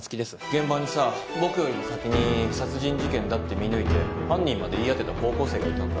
現場にさ僕よりも先に殺人事件だって見抜いて犯人まで言い当てた高校生がいたんだ。